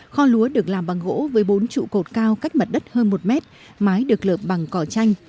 kho lúa được làm bằng gỗ với bốn trụ cột cao cách mặt đất hơn một mét mái được lợp bằng cỏ chanh